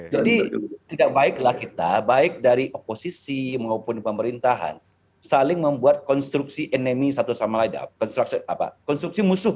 jadi tidak baiklah kita baik dari oposisi maupun pemerintahan saling membuat konstruksi musuh